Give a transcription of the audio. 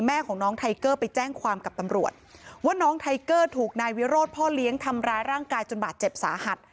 แม่ของน้องไทเกอร์ไปแจ้งความกับตำรวจว่าน้องไทเกอร์ถูกนายวิโรธพ่อเลี้ยงทำร้ายร่างกายจนบาดเจ็บสาหัส